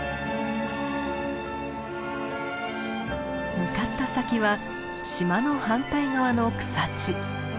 向かった先は島の反対側の草地。